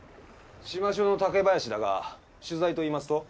志摩署の竹林だが取材といいますと？